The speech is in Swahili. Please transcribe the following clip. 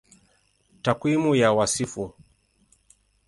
Takwimu ya Wasifu